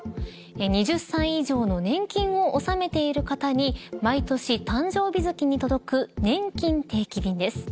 ２０歳以上の年金を納めている方に毎年誕生日月に届くねんきん定期便です。